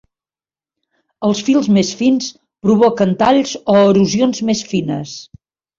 Els fils més fins provoquen talls o erosions més fines.